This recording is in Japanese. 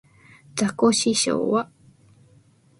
ザコシショウは